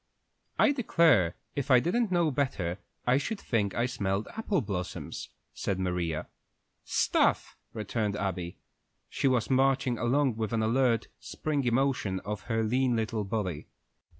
"I declare, if I didn't know better, I should think I smelled apple blossoms," said Maria. "Stuff!" returned Abby. She was marching along with an alert, springy motion of her lean little body.